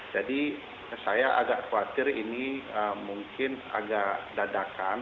jadi saya agak khawatir ini mungkin agak dadakan